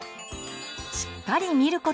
しっかり見ること。